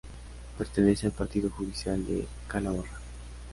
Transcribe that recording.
Pertenece al partido judicial de Calahorra.